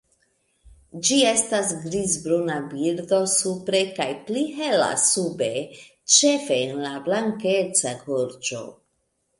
Ĝi estas grizbruna birdo supre kaj pli hela sube ĉefe en la blankeca gorĝo.